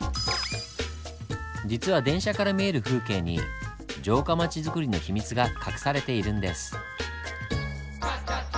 実は電車から見える風景に城下町づくりの秘密が隠されているんです。